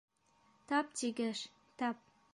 Тап тигәш, тап!